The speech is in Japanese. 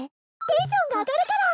テンションが上がるから！